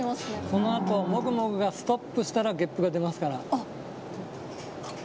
このあと、もぐもぐがストップしたら、ゲップが出ますから。